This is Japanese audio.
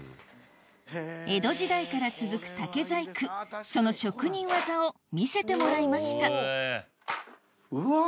江戸時代から続く竹細工その職人技を見せてもらいましたうわ